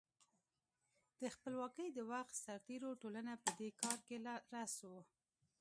د خپلواکۍ د وخت سرتېرو ټولنه په دې کار کې راس وه.